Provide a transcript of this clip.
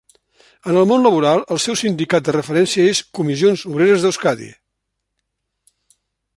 En el món laboral el seu sindicat de referència és Comissions Obreres d'Euskadi.